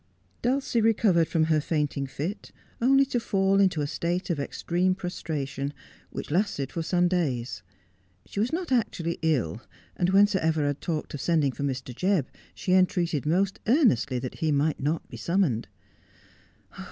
Dulcie recovered from her faintingfit, only to fall into a state of extreme prostration, which lasted for some days. She was not actually ill, and when Sir Everard talked of sending for Mr. Jebb she entreated most earnestly that he might not be summoned.